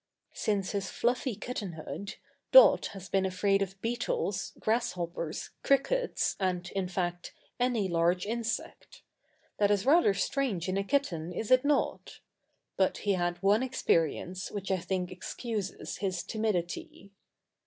Since his fluffy kittenhood Dot has been afraid of beetles, grasshoppers, crickets and, in fact, any large insect. That is rather strange in a kitten, is it not? But he had one experience which I think excuses his timidity.